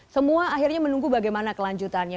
semua akhirnya menunggu bagaimana kelanjutannya